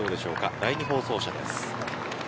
第２放送車です。